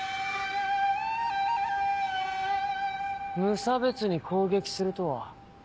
無差別に攻撃するとは。